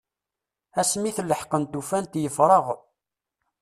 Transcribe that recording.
Asmi i t-leḥqent ufant yeffreɣ.